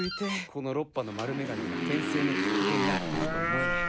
このロッパの丸メガネが転生のきっかけになったとしか思えない。